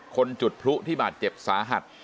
จุดพลุที่บาดเจ็บสาหัส